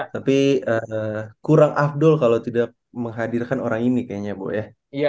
tapi kurang afdol kalau tidak menghadirkan orang ini kayaknya bu ya